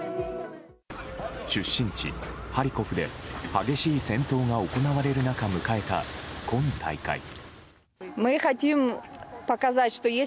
出身地ハリコフで激しい戦闘が行われる中迎えた今大会。